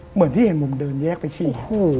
เหมือนที่เห็นผมเดินแยกไปฉี่